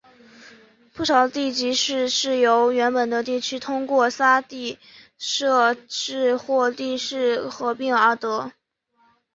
不少地级市是由原本的地区通过撤地设市或地市合并而得。